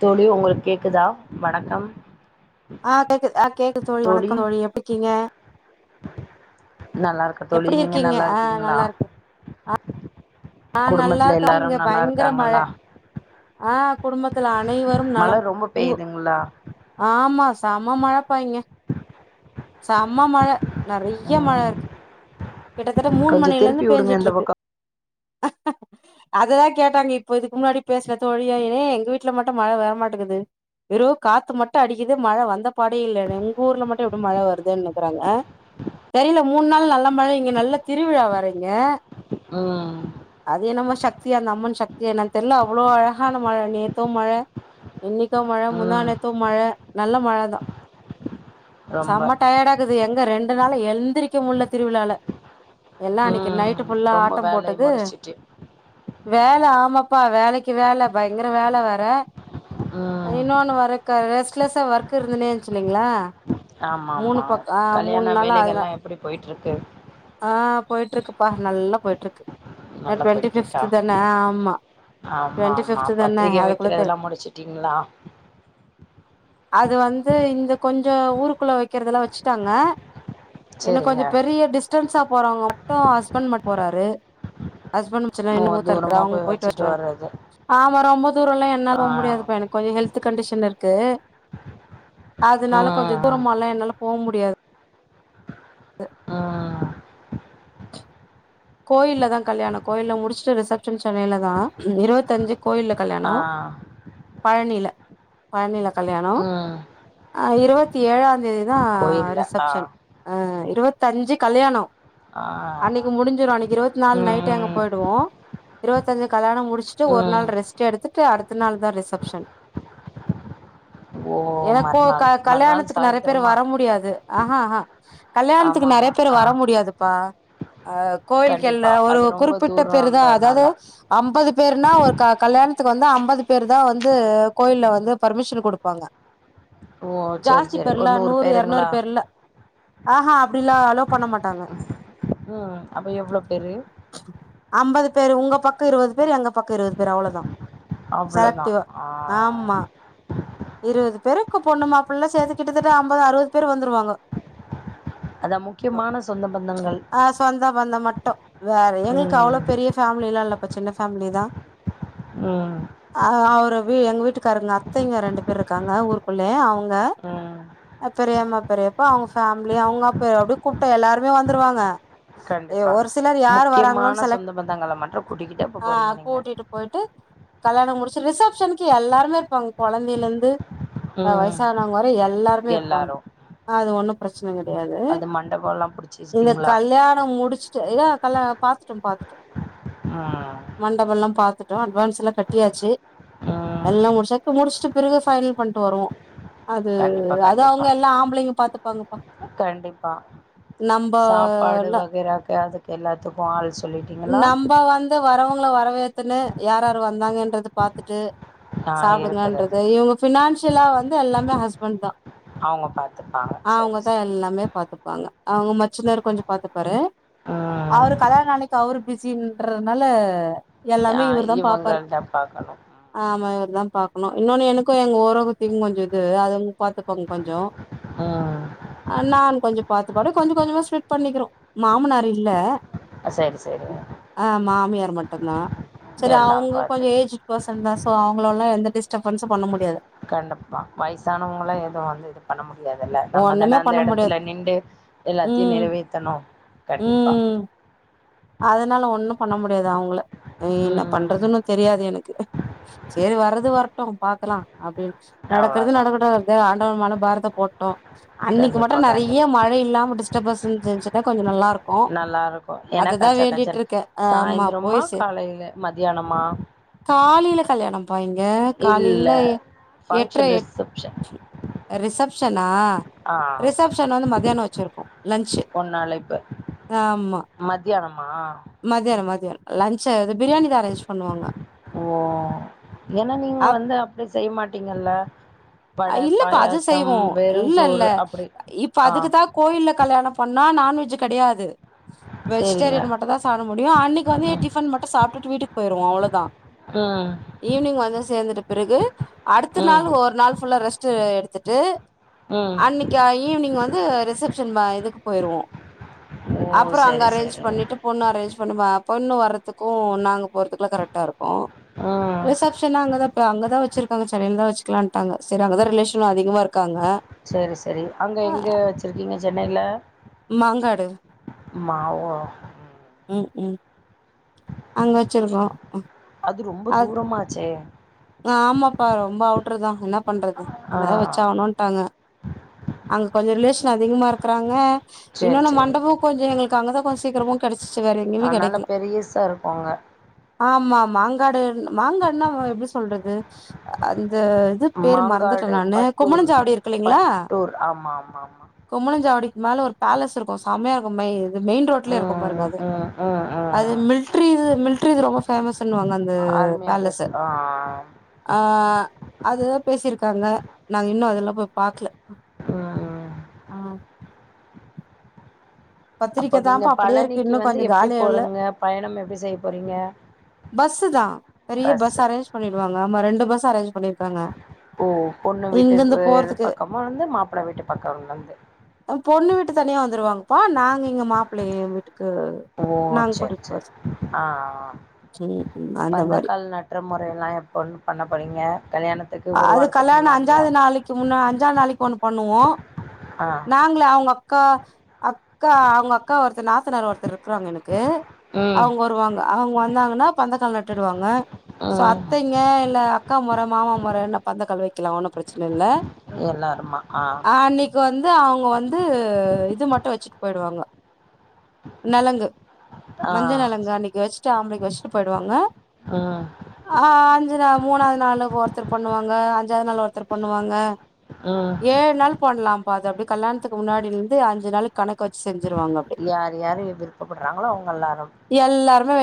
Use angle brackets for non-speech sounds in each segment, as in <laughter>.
தோழி உங்களுக்கு கேக்குதா வணக்கம் ஆ கேக்குது ஆ கேக்குது தோழி வணக்கம் தோழி எப்பியிக்கீங்க நல்லாருக்க தோழி நீங்க நல்லா இருக்கீங்களா நல்லா இருக்கே ஆ குடும்பத்துல நல்லாருக்க எல்லாரு இங்க நல்லா பயங்கர மழ இருக்காங்களா ஆ குடும்பத்துல அனைவரும் மழ நலம் ரொம்ப உங்கு பெய்யுதுங்களா ஆமா செம மழ பா இங்க செம மழ நறைய மழ ம் இருக்கு கிட்டத்தட்ட மூனு கொஞ்சோ திருப்பி மணிலருந்து விடுங்க இந்த பேஞ்சுட்டுருக்கு பக்கோ அததா கேட்டாங்க இப்போ இதுக்கு முன்னாடி பேசுன தோழியே ஏ எங்க வீட்ல மட்டும் மழ வரமாட்டேங்குது வெறு காத்து மட்டு அடிக்குது மழ வந்த பாடே இல்ல அது உங்க ஊர்ல மட்டு எப்டி மழ வருதுன்னுக்கிறாங்க அ தெரியல மூணு நாள் நல்ல மழை இங் இங்க நல்ல திருவிழா வரங்கே ம் சக்தியா அந்த அம்மன் சக்தியா என்னான் தெர்ல அவ்ளோ அழகான மழ நேத்து மழ இன்னைக்கு மழ ம் முந்தானேத்து மழ நல்ல மழ தா ரொம்ப செம்ம டயர்டாருக்குது எங்க ரெண்டு நாள்ல எந்திரிக்க முல்ல திருவிழால எல்லா அன்னைக்கி ம் நைட் ட்டு ஃபுல்லா ரொம்ப ஆட்டம் வேலைய போட்டது முடிச்சுட்டு வேல ஆமாப்பா வேலைக்கு வேல பயங்கர வேல வர ம் இன்னொன்னு வர க்க ரெஸ்ட்லெஸ்ஸா ஒர்க் இருந்தனேன்ச்சுங்களா ஆமா ஆமா கல்யாண அதுல வேலைகள்லா எப்புடி போயிட்டுருக்கு ஆ போயிட்டுருக்குப்பா நல்லா போயிட்டுருக்கு நல்லா போயிட்டு இருக்கா ஆமா டுவெண்ட்டி ஆமா ஃபிஃப்த் தான பத்திரிகை அதுக்குள்ள தெர் வைக்கிறதெல்லா முடிச்சிட்டீங்களா அது வந்து இங்க கொஞ்சோ ஊருக்குள்ள வைக்கிறதெல்லா வச்சிட்டாங்க இன்னு கொஞ்சோ செரிங்க பெரிய டிஸ்டன்ஸா போறவங்க மட்டு ஹஸ்பண்ட் மட் போறாரு ஹஸ்பண்டு சின்ன ஓ இன்னோ மூத்தாருக்கறார் தூரமா அவுங் போய் போயிட்டு வச்சுட்டு வர்டூ வர்றது ஆ வரம்போத் தூரல்லா என்னால ஆ போக முடியாதுப்பா எனக்கு <unintelligible> த்து கண்டிஷன் இருக்கு ஆ அதுனால கொஞ்சோ ஆ தூரமால்லா என்னால போ முடியா து கோயில்லதா கல்யாணோ கோயில்ல முடிச்சுட்டு ரிசப்ஷன் சென்னைலதா இருவத்தஞ்சு கோயில்ல ஆ ஆ கல்யாணோ பழனில பழநில கல்யாணோ ம் அஹ் இருவத்தி ஏழாந்தேதி தா கோயில்ல ஆ ரிசப்ஷன் அ இருவத் தஞ்சு கல்யாணோ ஆஹ் இன்னிக் இருவத் நாலு நைட்டே அங்க போய்டுவோ. இருவத்தஞ்சு கல்யாண முடிச் சிட்டு ஒரு ம் நாள் ரெஸ்ட் எடுத்துட் டு அடுத்த நாள்தா ரிசப்ஷன் ஓ எனக்கோ க மறுநாள் மறுநாள் கல்யாணத்துக்கு நெறைய பேர் சாயந்திரமா வர முடியாது. ஆஹ ஆஹா கல்யாணத்துக்கு ஆமா நெறைய ஆமா பேரு ஆ வர முடியாதுபா. ஆஹ் கண்டிப்பா கோயில்கெல்லா ஒரு அது ரொம்ப குறிப்பிட்ட பேருதா அதாது தூரன்றனால அம்பது பேர்னா ஒரு க கல்யாணத்துக்கு வந்து அம்பது பேருதா வந்து கோயில்ல வந்து பர்மிஷன் குடுப்பாங்க. ஓ செரி ஜாஸ்தி செரி ஒரு பேர்லா நூறு எருநூறு பேருங்களா பேர்லா ஆஹா அப்டிலா அல்லோவ் பண்ண மாட்டாங்க. உம் அப்ப எவ்ளோ பேரு? பேர் உங்க பக்க இருவது பேர் எங்க பக்க இருவது பேர் அவ்ளோதா. அவ்ளோதா செலக்டிவா ஆஹ் ஆமா இருவது பேருக்கு பொண்ணு மாப்பிள்ளல்லா சேந்து கிட்டத்தட்ட அம்பது அறுபது பேரு வந்துருவாங்க. அதா முக்கியமான சொந்த பந்தங்கள். டு வேற எங்கள்க்கு ம் அவ்ளோ பெரிய ஃபேம் லீலா இல்லப்பா சின்ன ஃபேம்லிதா. உம் அஹ் அவரு வீ எங்க வீட்டுக்காருங்க அத்தைங்க ரெண்டு பேர் இருக்காங்க ஊருக்குள்ளே அவங்க ம் பெரியம்மா பெரியப்பா அவங்க ஃபேமிலி அவங்க அப்ப அப்டி கூப்ட்டா எல்லாருமே வந்துருவாங்க ஏ கண்டிப்பா ஒரு சிலர் யார் வராங்களோன்னு முக்கியமான செலக்ட் சொந்த பந்தங்கள மட்டு கூட்டிக்கிட்டே அப்ப ஆ போறீங்க நீங்க கூட்டிட்டு போயிட்டு கல்யாணம் முடிச்சு ரிசப்ஷனுக்கு எல்லாருமே இருப்பாங்க கொழந்தையில இருந்து வ ம். வயசானவங்க வர எல்லாரு இப்ப இருபாங்க எல்லாரும். அ ஒன்னு பிரச்ச கெடையாது அது மண்டபம்லாம் புடிச்சு இந்த வச்சுட்டீங்களா? கல்யாணம் முடிச்சு ஏ கல்யாண பாத்துட்டோம் பாத்துட்டோம் ஆ பாத்துட்டோம் அட்வான்ஸ் ல்லாம் கட்டியாச்சு ம். எல்லா முடிச்சா முடிச்சுட்டு பிறகு பைனல் பண்ணிட்டு வருவோ அது கண்டிப்பா, அ அத கண்டிப்பா. அவுங்க எல்லாம் ஆம்பளங்க பாத்துப்பாங்கப்பா கண்டிப்பா. நம்ப ல்லா எல்லாத்துக்கு ஆட்ஸ் நம்ப வந்து வரவு வரவேத்துன்னு யார் யாரு வந்தாங்கன்றது பாத்துட்டு ஆ இருக்கிறது. சாப்பிடுங்கன்றது இவுங்க பினான்சி இங்க லாவந்து எல்லாமே ஹஸ்பண்ட் தா அவங்க பார்த்துப்பாங்க. ஆ சரி, அவுங்கதா சரி. எல்லாமே பாத்துப்பாங்க அவுங்க மச்சினர் கொஞ்சொ பாத்துபாரு ம். அவரு கல்யாணம் நாளைக் அவரு பிசின்றதுனால எல்லாமே ஆ இவரு தா பாப்பாரு இவங்கள்ட்ட பார்க்கணும். ஆமா அதா பாக்கணும் இன்னொன்னு எனக்கும் எங்க ஓரகத்தியும் கொஞ்ச இது அதுங்க பாத்துக்வாங்க கொஞ்சொ ம். நான் கொஞ்ச பாத்துக்கோட கொஞ்சம் கொஞ்சமா ஸ்பிட் பண்ணிக்கிறோ மாமனாரு இல்ல சரி சரி மட்டும்தா சரி எல்லாம் அவுங்க கொஞ்சொ பார்த்து ஏஜ் பர்சன் தான் ஸோ அவுங்களெல்லாம் எந்த டிஸ்டபன்ஸும் பண்ண முடியாது கண்டிப்பா வயசானவங்கள எதுவும் வந்து இது பண்ண முடியா அதல்ல நம்மதானே ஒண்ணுமே அந்த பண்ண முடியாது எடத்துல நின்னு எல்லாத்தையு ம் நிறைவேத்தணு கண்டிப்பா ம் அதனால ஒண்ணும் பண்ண முடியது அவுங்கள ம் தெரியாது எனக்கு சரி வர்றது வரட்டும் பாக்கலா அப்டின்னு நடக்கறது அவ்ளோதா நடக்கட்டு ஆண்டவன் மான பாரத்த போட்டோம் அன்னைக்கு கண்டிப்பா மட்டும் கண்டிப்பா நறைய மழை இல்லாம டிஸ்டபஸ்னு தெரிஞ்சுனா கொஞ்சம் நல்லாக்கும் நல்லா இருக்கும் ஏன்னா கச்ச கச்சன் இருக்கே ஆமா போய் சாயிந்திரமா சே காலையில மதியானமா கல்யாணம் ப்பாயிங்க காலிலே எட்டர ஃபங்க்ஷன் எ ரிசப்ஷன் ரிசப்ஷனா ஆ ரிசப்ஷன் வந்து மதியானோ வச் ச்சிருகோ லன்ச் பொண்ணு அழைப்பு ஆமா மத்தியானமா மதியான மதியானோ லன்ஞ்சு அது பிரியாணி தா அரேஞ்ச் பண்ணுவாங்க ஓ ஏனா நீங்க வந்து அப்டி செய்ய மாட் டீங்கல்ல அ இல்லப்பா அது செய்வோ இல்ல இல்ல சோறு அப்டி இப்ப ஆ அதுக்குதா கோயில்ல கல்யாண பண்ணா நான்வெஜ் கெடையாது சேரிங்க வெஜிடேரியன் மட்டு தா சாத முடியு அன்னிக் வந்து ம் டிபன் மட்டு சாப்ட்டுட்டு வீட்டுக்குபோய்ருவோ அவ்ளோதா ம் ஈவினிங் வந்து சேர்ந்துட்டு பிறகு அடுத்த ம் நாள் ஒரு நாள் ஃபுல்லா ரெஸ்ட் எடுத்துட்டு ம் அன்னைக்கு ஈவினிங் வந் து ரிசப்ஷன் மா இதுக்கு போயிருவோ ஓ அப்புறோ அங்க செரி அரேஞ்ச் செரி பண்ணிட்டு பொண்ணு அரேஞ்ச் பண்ணுவா பொண்ணு வர்றதுக்கு நாங்க போறதுக்குலா கரெக்டா இருக்கு ம் ரிசப்ஷன அங்கதாபா அங்கதா வச்சிருக்காங்க சென்னைல தா வச்சுக்கலான்ட்டாங்க சரி அங்கதா ரிலேஷன் அதிகமா இருக்காங்க செரி செரி அங்க எங்க வச்சிருக்கீங்க சென்னைல மாங்காடு மாவோ ம் உம் உம் அங்க வச்சிருக்கோ அது ரொம்ப அது தூரமாச்சே ஆமாப்பா ரொம்ப அவுட்டுடர்தா என்ன பண்றது ஆ அங்கதா வச்சாகணுன்ட்டாங்க அங்க கொஞ்ச ரிலேஷன் அதிகமா இருக்கறாங்க சேரி இன்னொன்னு மண்டபம் கொஞ்ச எங்களுக்கு அங்கதா கொஞ்ச சீக்கிரமு கெடச் ஆனாலு பெரியசா இருக்கு அங்க ஆமா மாங்காடு மாங்காடுனா எப்டி சொல்றது அந்த பேரு மறந்துட்ட மாங்காடு நானு பட்டூர் குமரஞ்சாவடி இருக்கு இல்லைங்களா பட்டூர் ஆமா ஆமா ஆமா குமரஞ்சாவடிக்கு மேல ஒரு பேலஸ் இருக்கு செமையாக்கும்ப மெயின் ரோட்ல இருக்கு பாருங்க ம் அது ம் ம் அது ம் மில்ட்ரி மில்ட் து ரொம்பஃபேமஸ்சா னுவாங்க அந்த ஆர்மி ஆஃபீஸ் பேலஸ்சா ஆ ஆஹ் அதுதா பேசிருக்காங்க நாங்க இன்னு அதெல்லா போய் பாக்கல ஆஹ் ஆஹ் ஆஹ் அப்போ பத்திரிக்க நீங்க தான்ப்ப அப்டியே இருக்கு பழனிக்கு இன்னு வந்து கொஞ்ச எப்டி காலி ஆவுல போறீங்க பயணம் எப்டி செய்ய போறீங்க பஸ் தா பெரிய பஸ் பஸ்ஸு அரேஞ்ச் பண்ணிடுவாங் ஆமா ரெண்டு பஸ்ஷு அரெஞ்ச் பண்ணிருக்காங்க ஓ பொண்ணு இங்கிருந்து வீட்டுக்கு போறதுக்கு பக்கமா வந்து மாப்ள்ள வீட்டு பக்கம் வந்து பொண்ணுவிட்டு தனியா வந்துருவாங்க ப்பா நாங்க எங்க மாப்பிள்ளைய வட்டு ஓ சரி சரி ஆஹ் ஹ ம் ம் அந்த மாரி பந்தக்கால் நட்ற முறையல்லா எப்பந் பண்ணப்பறீங்க கல்யாணத் அது கல்யாண அஞ்சாது நாளைக்கு முன்னா அஞ்சாது நாள் இப்ப ஒண்ணு பண்ணுவோ ஆ நாங்களே அவங்க அக்கா அக்கா அவங்க அக்கா ஒருத்தர் நாத்தனார் ஒருத்தர் இருக்காங்க எனக்கு கே ம் அவங்க வருவாங்க அவங்க வந் வந்தாங்ன்னா பந்தக்கால் நட்டுடுவாங்க ம் சத்தங்க இல்ல அக்கா மொர மாமா பரவால்ல பந்தக்கால் வைக்கலா ஒன்னு பிரச்சனயில்ல எல்லாருமா ஆ அஹ் அன்னைக்கு வந்து அவங்க வந்து வந்து இது மட்டு வச்சுட்டு போயிடுவாங்க நெலங்கு ஆ மஞ்ச நலங்க அன்னைக்கு வச்ட்டு, ஆம்பளைக்கு வச்ட் ஷ்ட போய்டுவாங்க ம் ஆஹ்ம் <unintelligible> மூணாவது நாள்ள போற ஒருத்தர் பண்ணுவாங்க அஞ்சாவது நாள் ஒருத்தர் பண்ணுவாங்க ம் ஏழு நாள் போண்ணலா பாது அப்டி கயாணத்துக்கு முன்னாடி இருந்து அஞ்ச நாள் கணக்கு வச்சு செஞ்சு யரு யாரரு விருப்பப்படுறாங்களோ அவங்க எல்லாரு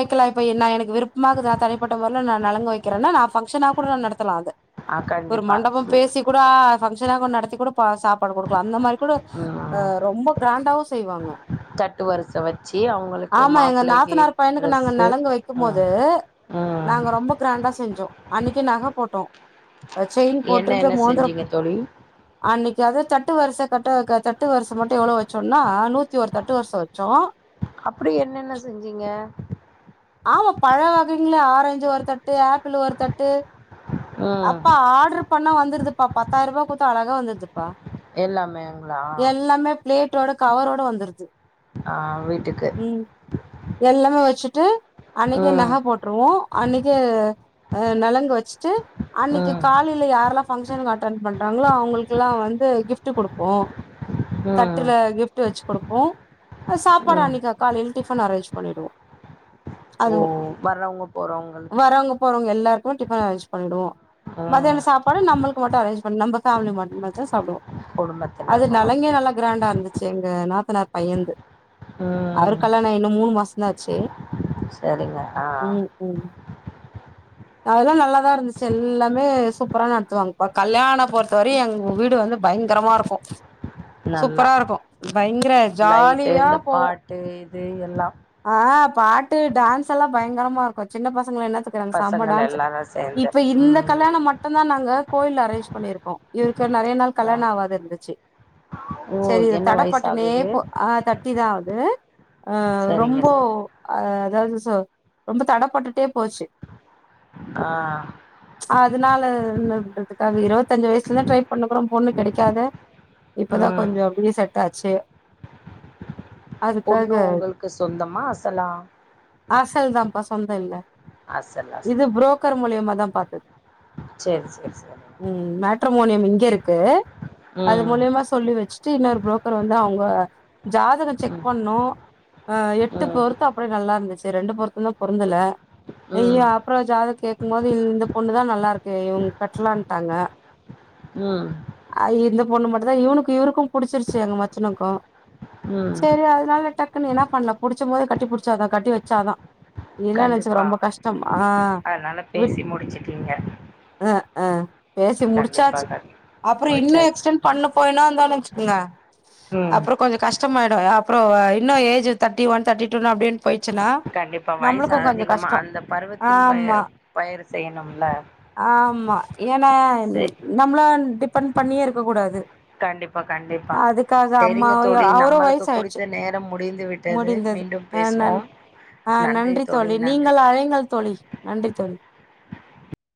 இருக்கலாம் இப்ப நா எனக்கு விருப்பமாக நா தனிப்பட்ட முறேல நான் நலங்கு வக்கிறேனா நான் பங்ஷனா கூட நா நடத் த்தலா அத ஆ ஒரு கண்டிப்பா மண்டபம் பேசி கூட ஃபங்க்ஷனா கூட நடத் வச்சு கூட ப சாப்பாடு குடுக்கலா அந்த மாரி கூட ம் ஆஹ் ரொம்ப கிராண்டாவும் செய்வாங்க தட்டு வருச வச்சு அவுங்களுக்கு ஆமா எங்க மாப்பிள்ளகி நாத்தனார் பையனுக்கு நாங்க ட்ரெஸ்ஸு நலங்கு வைக்கும் உம் போது உம் அன்னைக்கி நக போட் டோ செயின் என்ன போட்டுட்டு என்ன மோந்தரம் செஞ்சீங்க தோழி அன்னைக் கே அது தட்டு வருஷ கரட்ட க தட்டு வருஷ மட்டும் எவ்ளோ வச்சோம்னா நூத்தி ஒரு தட்டு வருஷ வச்சோ அப்டி என்னென்ன செஞ்சிங்க ஆமா பழ வகைங்களே ஆரஞ்சு ஒரு தட்டு ஆப்பிள் ஒரு தட்டு ம் அப்ப ஆட்ரு பண்ணா வந்திருதுப்பா பத்தாயிரம் ரூபா குத்தா அழகா வந்திருதுப்பா எல்லாமேங்களா வீட்டோட கவரோட வந்துருது ஆஹ் வீட்டுக்கு ம் எல்லாமே வச்சுட்டு அன்னக்கே ம் நகை போட்டுருவோம் அன்னைக்கே நலங்கு வச்சுட்டு அன்னைக்கு ம் காலேல யாரெல்லா பங்க்ஷனுக்கு அட்டன் பண்றாங்களோ அவுங்களுக்கல்லாம் வந்து கிஃப்ட் குடுப்போ ம் தட்டுல கிஃப டு வச்சு குடுப்போம் ஆஹ் சாப்பாடு ம் அன்னைக்கு காலேல டிஃபன் அரேஞ்ச் பண்ணிடுவோம் ஓ வர்றவுங்க போறவுங்களுக்கு வரவங்க போறவங்க எல்லாருக்குமே டிஃபன் அரேன்ஜ் பண்ணிடுவோம் ம் மதியானம் சாப்பாடு நம்ளுக்கு மட்டும் அரேஜ் பண்ணி நம்ம ஃபேமிலி மட்டு மாரி தா சாப்டுவோ அது குடும்பத்தினருக்கு நலங்கே மட்டு நல்லா கிராண்டா இருந்தது <unintelligible> எங்க நாத்தனார் பையன்ந்து ம் அவருக் கல்யாணமாயி இன்னும் மூணு மாச இன்னாச்சு சரிங்க ஆஹ் அதெல்லாம் நல்லாதான் இருந்துச்சு எல்லாமே சூப்பரா நடத்துவாங்க இப்ப கல்யாணம் பொறுத்தவரைையும் எங்க வீடு வந்து பயங்கரமா இருக்கும் நல்லா சூப்பரா இருக்கும் பயங்கர லைட்டு ஜாலியா இந்த போவோம் பாட்டு இது எல்லா ஆஹ் பாட் டு டான்ஸ் எல்லா பயங்கரமா இருக்கு சின்ன பசங்கள என்ன த்துக்கிறாங்க செம பசங்கள் டான்ஸு எல்லாரு சேந்து இப்ப இந்த ம் கல்யாணம் மட்டுந்தா ந ங்க கோயில்ல அரேஞ்ச் பண்ணிருக்கோ இவுருக்கு நிறைய நாள் ஆ கல்யாணம் ஆவாது இருந்துச்சு ஓ சரி என்ன வயசு தடைப்பட்டனே ஆகுது போஹ் தட்டிதா ஆகுது உஹ் அஹ் சரிங்க ரொம்ப சரிங்க அதாவது ரொம்ப தடப்பட்டுட்டே போச்சு ஆஹ் அதனால என்றதுக்காக இருபத்தஞ்சு வயசுலதா ட்ரை பண்ணட்ருக்குறோ பொண்ணு கெடைக்காத இப்பதா ம் கொஞ்ச அப்படியே செட் ஆச்சு பொண்ணு அதுக்காக உங்களுக்கு சொந்தமா அசலா அசல் தான்ப்பா சொந்த இல்ல அசல் இது அசல் புரோக்கர் மூலியமா தா பாத் <inaudible> சரி சரி சரி ட்ரமோனியம் இங்க இருக்கு அது ம் மூலியமா சொல்லி வச்சு சு இன்னொரு புரோக்கர் வந்து அவங்க ஜாதகம் செக் ம் பண்ணோ எட்டு ம் பொருத்த அப்படி நல்லா இருந்துச்சு ரெண்டு பொருத்தந்தா பொருந்தல ம் அய்யய்யோ அப்புறோ ஜாத கேக்கும்போது இந்த பொண்ணு தா நல்லா இருக்கு இவங்க கட்டலான்ட்டாங்க ம் அய் இந்த பொண்ணு மட்டுந்தா இவனுக்கு இவருக்கும் புடிச்சிருச்சு எங்க மச்சனனுக்கும் ம் சரி அதனால டக்குன்னு என்ன பண்ணலா புடிச்சம் போதே கட்டி புடிச்சாத கட்டி வச்சாதா இல்லன்னா வச்சுக்க கண்டிப்பா ரொம்ப கஷ்டம் ஆஹ் அதனால வி பேசி முடிச்சுட்டீங்க அஹ் ஆஹ் பேசி கண்டிப்பா முடிச்சாச்சு கண் அப்புற இன்னும் முடிச்சாச்சு எக்ஸ்டெண்ட் பண்ண போயனா வ தான் வச்சுக்குங்க ம் அப்புற கொஞ்ச கஷ் டமாயிடு அப்புற இன்னு age thirty one thirty two அப்படின்னு போயி கண்டிப்பா வயசு அதிகமா அந்த பருவத்தின் பய ஆமா பயர் செய்யணும்ல ஆமா ஏன்னா சே நம்மள பண் டிபெண்ட் பண்ணியே இருக்கக் கூடாது கண்டிப்பா கண்டிப்பா அதுக்காக செரிங்க தோழி. அம்மாவையும் அவரும் நம்மளுக்கு வயசாயிடுச்சு குடுத்த நேரம் முடிந்து விட்டது. முடிந்தது மீண்டும் ஆ நன் பேசுவோம், ஆ நன்றி தோழி நன்றி. நீங்கள் அழைங்கள் தோழி நன்றி தோழி